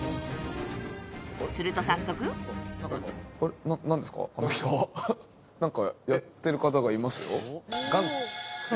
すると早速なんかやってる方がいますよ。